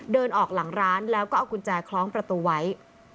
เดินออกหลังร้านแล้วก็เอากุญแจคล้องประตูไว้